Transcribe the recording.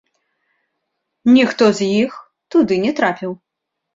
Ніхто з іх туды не трапіў.